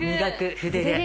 筆で。